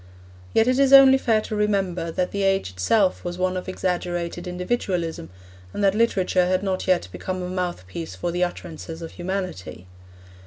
Yet it is only fair to remember that the age itself was one of exaggerated individualism and that literature had not yet become a mouthpiece for the utterances of humanity.